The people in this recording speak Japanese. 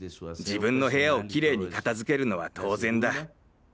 自分の部屋をきれいに片づけるのは当然だ。